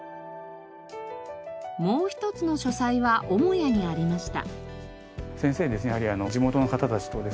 もう一つの書斎は母屋にありました。